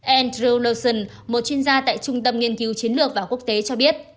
andrew lawson một chuyên gia tại trung tâm nghiên cứu chiến lược và quốc tế cho biết